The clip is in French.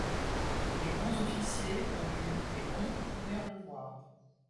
Les grands officiers ont eu et ont divers devoirs.